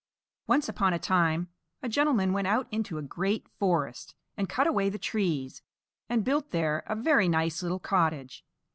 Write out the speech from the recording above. ONCE upon a time a gentleman went out into a great forest, and cut away the trees, and built there a very nice little cottage.